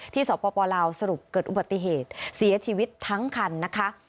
สปลาวสรุปเกิดอุบัติเหตุเสียชีวิตทั้งคันนะคะ